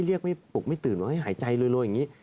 เรียกไม่ปลุกไม่ตื่นว่าหายใจรวยอย่างนี้